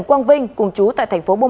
quang vinh cùng chú tại thành phố bông